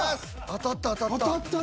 当たった当たった。